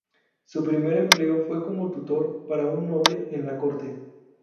Su primer empleo fue como tutor para un noble en la corte.